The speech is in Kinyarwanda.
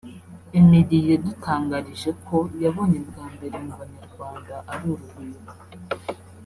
Emily yadutangarije ko yabonye bwa mbere mu banyarwanda ari urugwiro